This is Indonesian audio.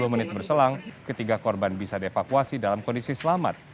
sepuluh menit berselang ketiga korban bisa dievakuasi dalam kondisi selamat